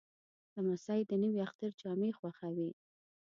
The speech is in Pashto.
لمسی د نوي اختر جامې خوښوي.